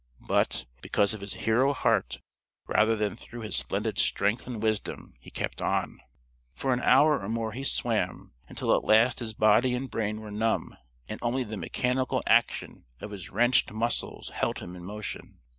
But, because of his hero heart rather than through his splendid strength and wisdom, he kept on. For an hour or more he swam until at last his body and brain were numb, and only the mechanical action of his wrenched muscles held him in motion.